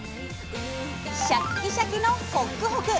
シャッキシャキのホックホク。